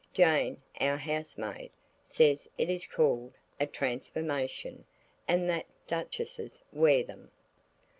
Jane, our housemaid, says it is called a "transformation," and that duchesses wear them.